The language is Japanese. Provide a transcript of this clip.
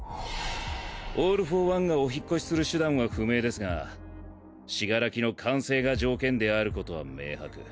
オール・フォー・ワンがお引越しする手段は不明ですが死柄木の完成が条件であることは明白。